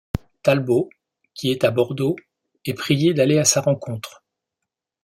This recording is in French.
Talbot, qui est à Bordeaux, est prié d'aller à sa rencontre.